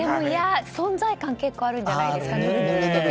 いや、存在感結構あるんじゃないですかね。